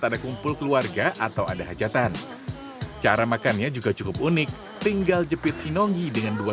ada kumpul keluarga atau ada hajatan cara makannya juga cukup unik tinggal jepit sinonggi dengan dua